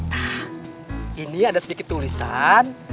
nah ini ada sedikit tulisan